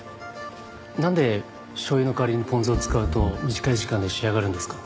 なんでしょう油の代わりにポン酢を使うと短い時間で仕上がるんですか？